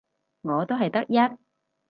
我都係得一